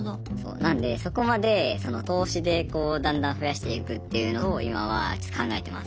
なのでそこまで投資でこうだんだん増やしていくっていうのを今はちょっと考えてます。